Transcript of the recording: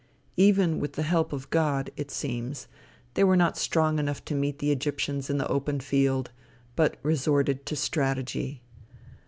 Even with the help of God, it seems, they were not strong enough to meet the Egyptians in the open field, but resorted to strategy.